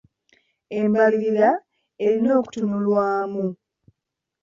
Embalirira erina okutunulwamu.